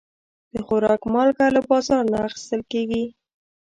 د خوراک مالګه له بازار نه اخیستل کېږي.